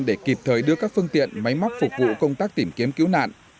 để kịp thời đưa các phương tiện máy móc phục vụ công tác tìm kiếm cứu nạn